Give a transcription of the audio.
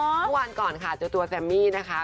ทุกวันก่อนค่ะเจ้าตัวแซมมี่นะคะ